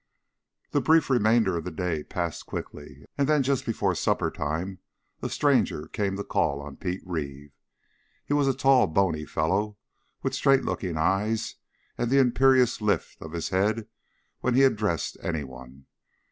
The brief remainder of the day passed quickly; and then just before supper time a stranger came to call on Pete Reeve. He was a tall, bony fellow with straight looking eyes and an imperious lift of his head when he addressed anyone.